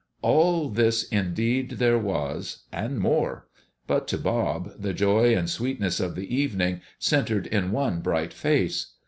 All this indeed there was, and more; but to Bob, the joy and sweetness of the evening centered in one bright face.